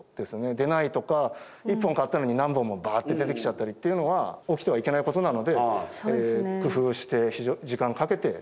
出ないとか１本買ったのに何本もバッて出てきちゃったりっていうのは起きてはいけないことなので工夫して時間かけて開発をしてきております。